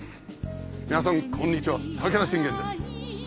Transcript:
皆さんこんにちは武田信玄です。